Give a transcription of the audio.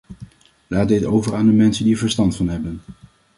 Laat dit over aan de mensen die er verstand van hebben.